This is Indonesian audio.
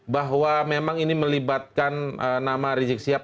bahwa memang ini melibatkan nama rizik sihab